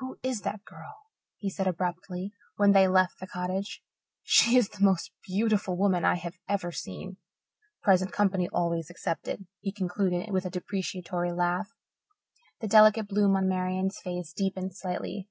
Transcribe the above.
"Who is that girl?" he said abruptly, when they had left the cottage. "She is the most beautiful woman I have ever seen present company always excepted," he concluded, with a depreciatory laugh. The delicate bloom on Marian's face deepened slightly.